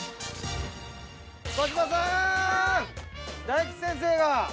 大吉先生が。